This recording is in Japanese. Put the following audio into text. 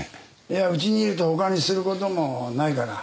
いやうちにいると他にすることもないから。